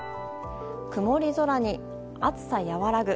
曇り空に、暑さ和らぐ。